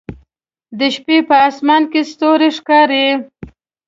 د شپې په اسمان کې ستوري ښکاري